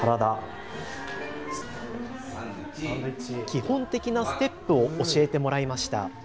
基本的なステップを教えてもらいました。